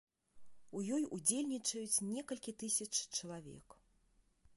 У ёй удзельнічаюць некалькі тысяч чалавек.